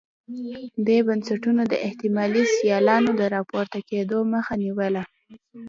دې بنسټونو د احتمالي سیالانو د راپورته کېدو مخه نیوله.